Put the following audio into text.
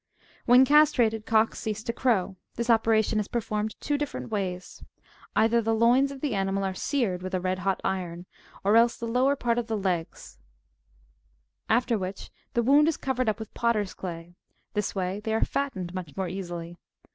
When castrated, cocks cease to crow. This operation is performed two diiferent ways. Either the loins of the animal are seared with a red hot iron, or else the lower part of the legs ; after which, the wound is covered up with potter's clay : this way they are fattened much more easily.